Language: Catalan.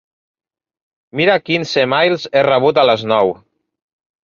Mira quins emails he rebut a les nou.